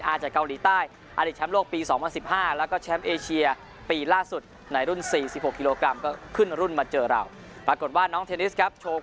งานหาบีสองพลังสิบห้าและก็แชมป์บีล่าสุดในรุ่นสี่สิบหก